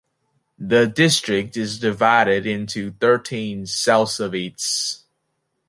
The district is divided into thirteen selsoviets.